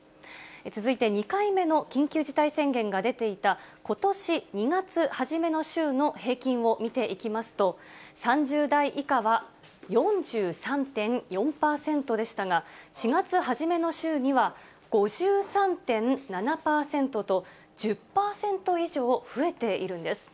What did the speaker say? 続いて、２回目の緊急事態宣言が出ていた、ことし２月初めの週の平均を見ていきますと、３０代以下は４３．４％ですが、４月初めの週には５３．７％と、１０％以上増えているんです。